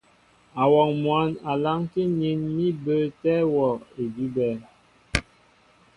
Awɔŋ mwǎn a lánkí nín mí bəətɛ́ wɔ́ idʉ́bɛ́.